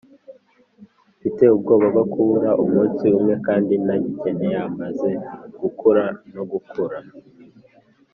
mfite ubwoba bwo kubura umunsi umwe, kandi ntagikeneye, amaze gukura no gukura